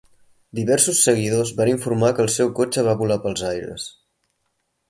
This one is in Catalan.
Diversos seguidors van informar que el seu cotxe va volar pels aires.